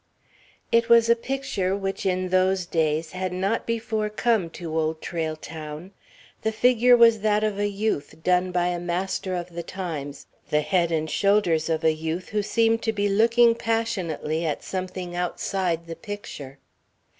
It was a picture which, in those days, had not before come to Old Trail Town. The figure was that of a youth, done by a master of the times the head and shoulders of a youth who seemed to be looking passionately at something outside the picture.